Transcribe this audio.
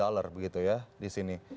dollar begitu ya di sini